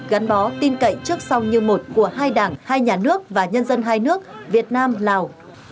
gắn bó tin cậy trước sau như một của hai đảng hai nhà nước và nhân dân hai nước việt nam lào